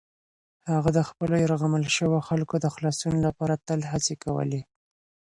هغه د خپلو یرغمل شویو خلکو د خلاصون لپاره تل هڅې کولې.